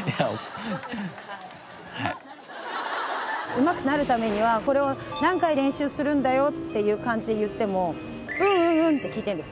「うまくなるためにはこれを何回練習するんだよっていう感じで言っても“うんうんうん”って聞いてるんです」